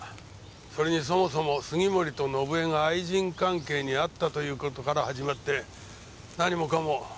それにそもそも杉森と伸枝が愛人関係にあったという事から始まって何もかも推測に過ぎないだろ。